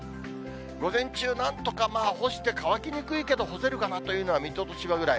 午前中、なんとか干して乾きにくいけど、干せるかなというのが水戸と千葉ぐらい。